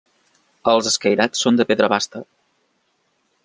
Els escairats són de pedra basta.